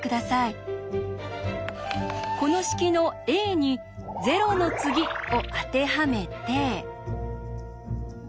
この式の「ａ」に「０の次」を当てはめて。